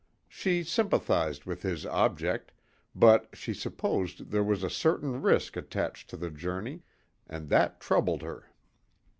She sympathised with his object, but she supposed there was a certain risk attached to the journey, and that troubled her.